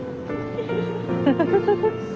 フフフフ。